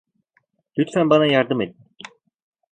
Lütfen bana yardım edin.